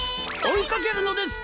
おいかけるのです！